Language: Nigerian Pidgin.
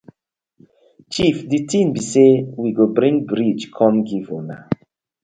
Chief di tin bi say we go bring bridge kom giv una.